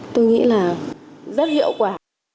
tôi nghĩ là rất hiệu quả